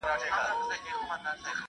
ما پر منبر د خپل بلال ږغ اورېدلی نه دی `